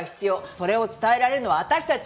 それを伝えられるのは私たち。